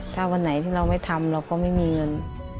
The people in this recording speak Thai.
ถ้าวันไหนที่เราไม่ทำเราก็ไม่มีเงิน